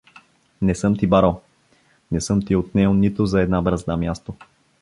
Не съм ти барал, не съм ти отнел нито за една бразда място.